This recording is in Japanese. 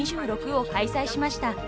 ＣＯＰ２６を開催しました］